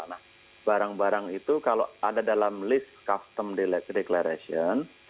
nah barang barang itu kalau ada dalam list custom declaration